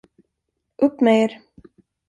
Upp med er!